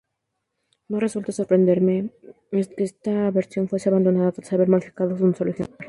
No resulta sorprendente que esta versión fuese abandonada tras haber modificado un solo ejemplar.